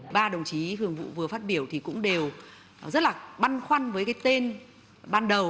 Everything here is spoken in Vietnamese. ba đồng chí thường vụ vừa phát biểu thì cũng đều rất là băn khoăn với cái tên ban đầu